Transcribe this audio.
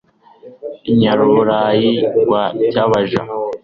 I Nyarubayi rwa Cyabaja.